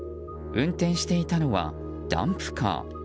運転していたのはダンプカー。